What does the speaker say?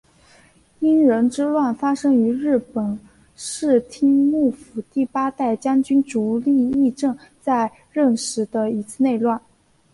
应仁之乱发生于日本室町幕府第八代将军足利义政在任时的一次内乱。